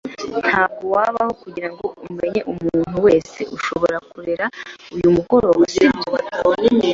Ntabwo wabaho kugirango umenye umuntu wese ushobora kurera uyu mugoroba, sibyo?